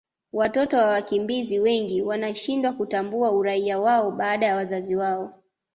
watoto wa wakimbizi wengi wanashindwa kutambua uraia wao baada ya wazazi wao